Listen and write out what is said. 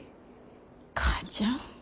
母ちゃん。